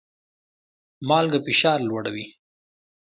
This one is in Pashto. مالګه فشار لوړوي